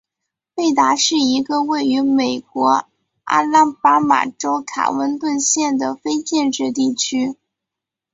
贝达是一个位于美国阿拉巴马州卡温顿县的非建制地区。